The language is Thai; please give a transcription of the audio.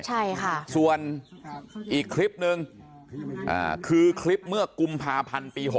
ใช่ค่ะส่วนอีกคลิปนึงคือคลิปเมื่อกุมภาพันธ์ปี๖๐